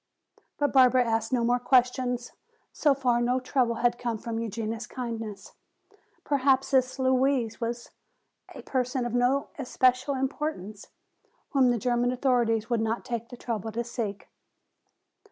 But Barbara asked no more questions. So far no trouble had come from Eugenia's kindness. Perhaps this "Louise" was a person of no especial importance, whom the German authorities would not take the trouble to seek.